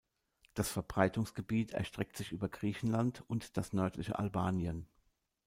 Das Verbreitungsgebiet erstreckt sich über Griechenland und das nördliche Albanien.